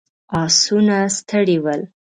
آسونه ستړي ول.